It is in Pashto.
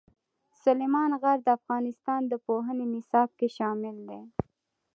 سلیمان غر د افغانستان د پوهنې نصاب کې شامل دي.